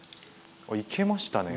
いけましたね。